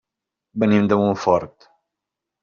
Venim de Montfort.